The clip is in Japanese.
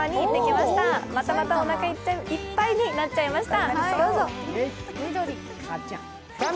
またまたお腹いっぱいになっちゃいました。